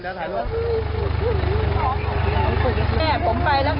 รถอยู่พกสาเล็กอยู่ที่บ่อแม่มาที่บ่อ